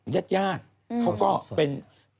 ญาติญาติเขาก็เป็น